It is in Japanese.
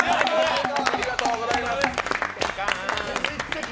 ありがとうございます！